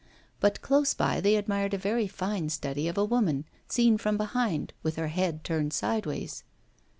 But close by they admired a very fine study of a woman, seen from behind, with her head turned sideways.